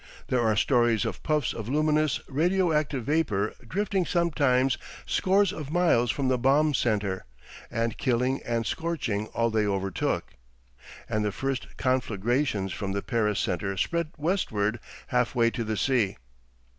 There are stories of puffs of luminous, radio active vapour drifting sometimes scores of miles from the bomb centre and killing and scorching all they overtook. And the first conflagrations from the Paris centre spread westward half way to the sea.